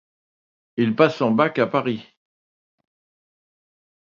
Il passe son bac à Paris.